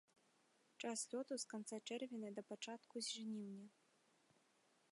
Час лёту з канца чэрвеня да пачатку жніўня.